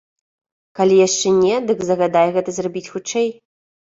Калі яшчэ не, дык загадай гэта зрабіць хутчэй.